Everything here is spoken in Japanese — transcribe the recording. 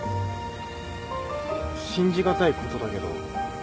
信じ難いことだけど。